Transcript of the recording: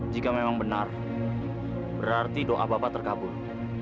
jika memang benar berarti doa bapak terkabul